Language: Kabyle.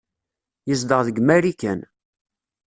Yezdeɣ deg Marikan.